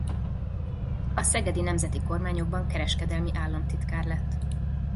A szegedi nemzeti kormányokban kereskedelmi államtitkár lett.